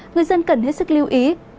người dân cần hết sức lưu ý